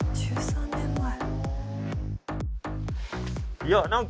１３年前。